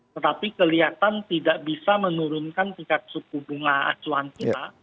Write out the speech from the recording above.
tetapi kelihatan tidak bisa menurunkan tingkat suku bunga acuan kita